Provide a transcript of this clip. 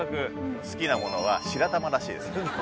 好きなものは白玉らしいです。